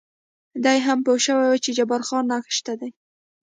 دی هم پوه شوی و چې جبار خان نشه دی.